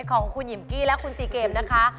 ของคุณหิมกี้และคุณซีเกมนะคะ